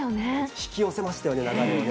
引き寄せましたよね、流れをね。